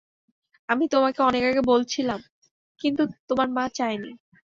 আমি তোমাকে অনেক আগে বলছিলাম, কিন্তু তোমার মা চায়নি।